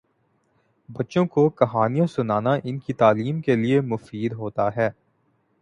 بچوں کو کہانیاں سنانا ان کی تعلیم کے لئے مفید ہوتا ہے۔